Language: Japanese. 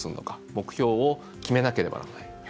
目標を決めなければいけない。